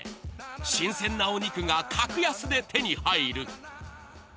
新鮮なお肉が格安で手に入る。